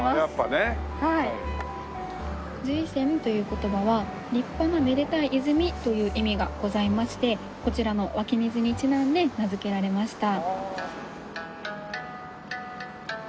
瑞泉という言葉は日本のめでたい泉という意味がございましてこちらの湧き水にちなんで名付けられました。